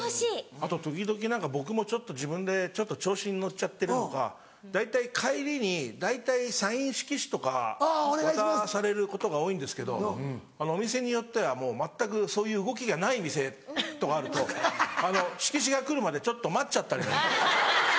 あと時々僕もちょっと自分で調子に乗っちゃってるのか大体帰りに大体サイン色紙とか渡されることが多いんですけどお店によってはもう全くそういう動きがない店とかあると色紙が来るまでちょっと待っちゃったり。